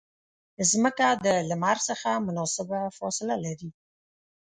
مځکه د لمر څخه مناسبه فاصله لري.